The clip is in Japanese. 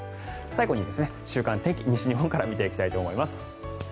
最後に週間の天気を西日本から見ていきたいと思います。